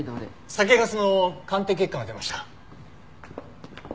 酒粕の鑑定結果が出ました。